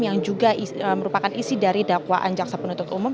yang juga merupakan isi dari dakwaan jaksa penuntut umum